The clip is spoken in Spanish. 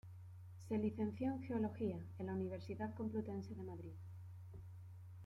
Se licenció en Geología, en la Universidad Complutense de Madrid.